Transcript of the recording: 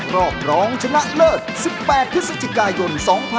รอบรองชนะเลิศ๑๘พฤศจิกายน๒๕๖๒